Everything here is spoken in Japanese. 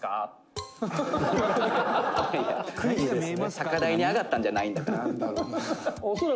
「高台に上がったんじゃないんだから」